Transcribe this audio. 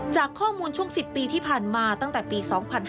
จากข้อมูลช่วง๑๐ปีที่ผ่านมาตั้งแต่ปี๒๕๕๙